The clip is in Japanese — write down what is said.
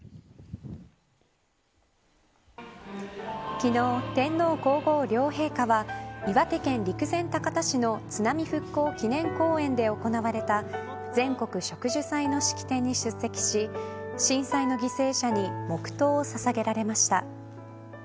昨日、天皇、皇后両陛下は岩手県陸前高田市の津波復興祈念公園で行われた全国植樹祭の式典に出席し震災の犠牲者に黙とうをささげられました。